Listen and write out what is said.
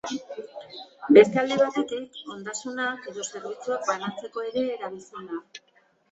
Beste alde batetik, ondasunak edo zerbitzuak banatzeko ere erabiltzen da.